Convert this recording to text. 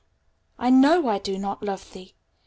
I know I do not love thee